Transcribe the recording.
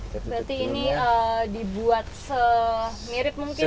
berarti ini dibuat semirip mungkin ya